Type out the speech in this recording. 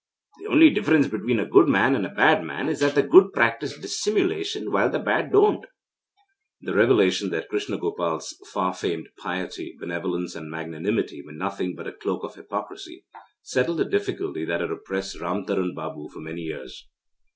The only difference between a good and a bad man is that the good practise dissimulation while the bad don't.' The revelation that Krishna Gopal's far famed piety, benevolence, and magnanimity were nothing but a cloak of hypocrisy, settled a difficulty that had oppressed Ram Taran Babu for many years.